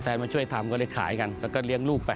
มาช่วยทำก็เลยขายกันแล้วก็เลี้ยงลูกไป